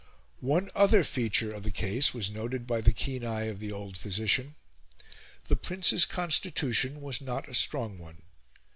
One other feature of the case was noted by the keen eye of the old physician: the Prince's constitution was not a strong one.